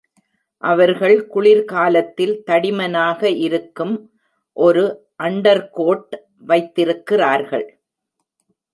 அவர்கள் குளிர்காலத்தில் தடிமனாக இருக்கும் ஒரு அண்டர்கோட் வைத்திருக்கிறார்கள்.